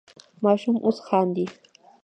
ماشوم اوس خاندي.